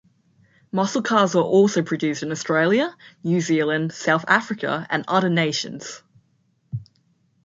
Muscle cars were also produced in Australia, New Zealand, South Africa and other nations.